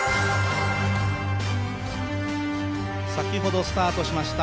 先ほどスタートしました